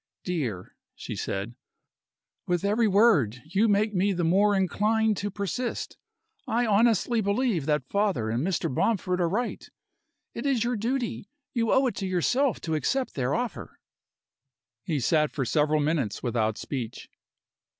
"Dear," she said, "with every word you make me the more inclined to persist. I honestly believe that father and Mr. Bomford are right. It is your duty. You owe it to yourself to accept their offer." He sat for several minutes without speech.